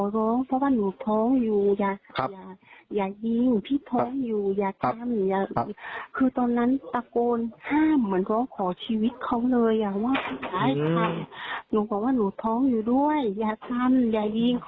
ด้วยอย่าทำอย่ายิงเธอบอกว่าหลีกจะยิง